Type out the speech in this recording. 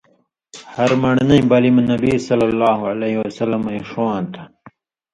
ہَر من٘ڑنَیں بلی مہ نبی ﷺ ایں ݜُون٘واں تھہ۔